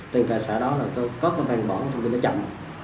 tên cả xã đó là có cái bàn bỏ nhưng mà nó chậm